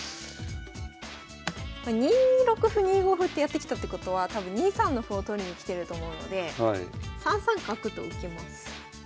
２六歩２五歩ってやってきたってことは多分２三の歩を取りに来てると思うので３三角と受けます。